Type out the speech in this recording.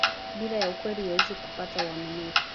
Bila ya ukweli huwezi kupata uaminifu